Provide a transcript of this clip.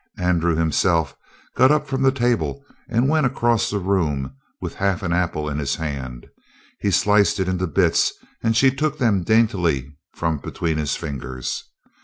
Andrew himself got up from the table and went across the room with half of an apple in his hand. He sliced it into bits, and she took them daintily from between his fingers.